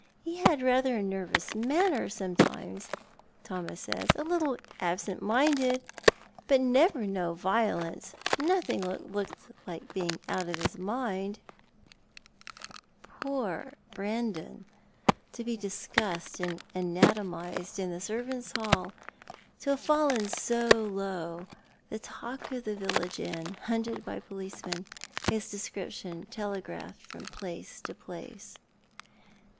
He had rather a nervous manner sometimes, Thomas says— a little absent minded " What Love was as Deep as a Grave f " 155 — but never no violence — nothing that looked like being oi;t of his mind." Poor Brandon! To be discussed and anatomised in the servants' hall— to have fallen so low — the talk of the village inn — hunted by policemen, his description telegraphed from place to place.